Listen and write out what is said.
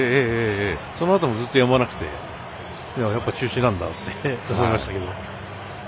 そのあともずっとやまなくてやっぱり中止なんだって思いましたけど。